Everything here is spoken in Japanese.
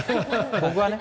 僕はね。